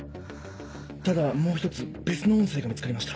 ただもう１つ別の音声が見つかりました。